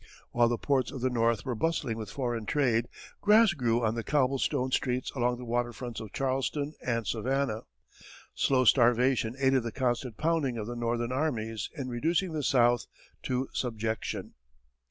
While the ports of the North were bustling with foreign trade, grass grew on the cobble stoned streets along the waterfronts of Charleston and Savannah. Slow starvation aided the constant pounding of the Northern armies in reducing the South to subjection.